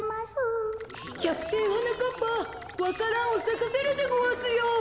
キャプテンはなかっぱわか蘭をさかせるでごわすよ。